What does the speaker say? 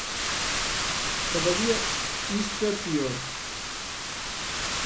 "Cada día isto é peor".